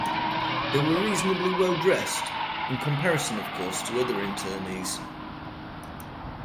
They were reasonably well dressed; in comparison, of course, to other internees.